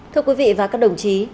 thưa quý vị và các đồng chí